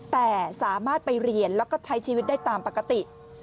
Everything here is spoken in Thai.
แต่สามารถไปเรียนแล้วก็ใช้ชีวิตได้ตามปกติ